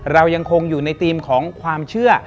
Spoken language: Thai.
เรายังคงอยู่ในธีมของความเชื่อ